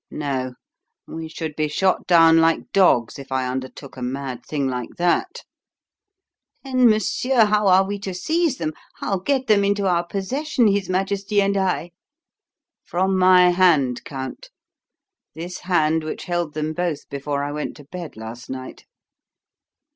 "No; we should be shot down like dogs if I undertook a mad thing like that." "Then, monsieur, how are we to seize them? How get them into our possession, his Majesty and I?" "From my hand, Count; this hand which held them both before I went to bed last night."